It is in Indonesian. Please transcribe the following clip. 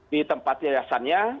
di tempat yayasannya